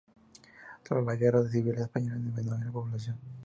Tras la Guerra Civil Española disminuyó la población.